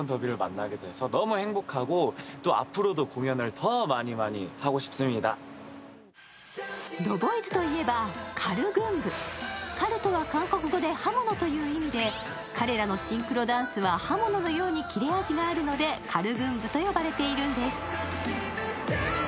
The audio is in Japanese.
ＴＨＥＢＯＹＳといえばカル群舞カルとは韓国語で刃物という意味で、彼らのシンクロダンスは刃物のようにキレ味があるがあるのでカル群舞と呼ばれているんです。